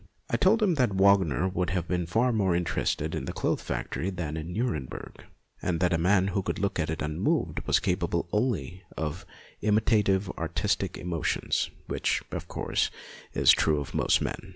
I told him that Wagner would have been far more interested in the cloth factory than in Nuremberg, and that a man who could look at it unmoved was capable only of imitative artistic emo tions, which, of course, is true of most men.